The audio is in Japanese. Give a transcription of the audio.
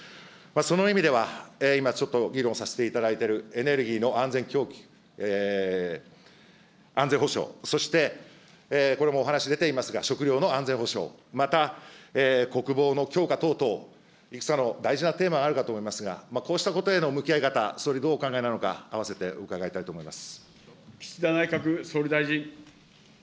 その意味では、今ちょっと議論させていただいているエネルギーの安全供給、安全保障、そしてこれもお話出ていますが、食料の安全保障、また国防の強化等々、いくつかの大事なテーマがあるかと思いますが、こうしたことへの向き合い方、総理どうお考えなのか、岸田内閣総理大臣。